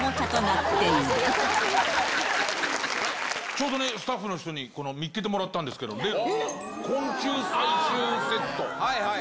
ちょうどね、スタッフの人にこの見っけてもらったんですけどね、昆虫採集セット。